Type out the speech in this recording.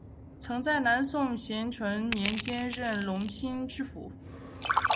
曾在南宋咸淳年间任隆兴知府。